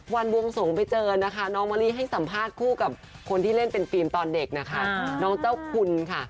วันวงศงไปเจอน้องมะลิให้สัมภาคกับคนที่เล่นเป็นฟิล์มตอนเด็กนะค่ะ